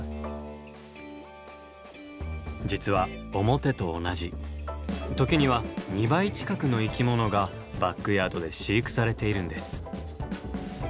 実は表と同じ時には２倍近くの生き物がバックヤードで飼育されているんです。